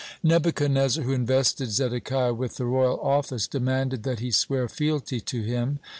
Nebuchadnezzar, who invested Zedekiah with the royal office, demanded that he swear fealty to him.